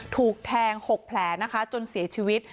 ถูกแทง๖แผลนะคะจนเสียชีวิต